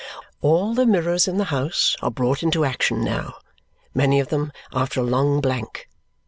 All the mirrors in the house are brought into action now, many of them after a long blank.